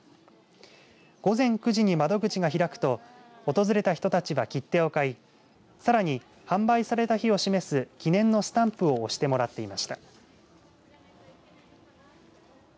午前９時に窓口が開くと訪れた人たちは切手を買いさらに販売された日を示す記念のスタンプを押してもらっていました。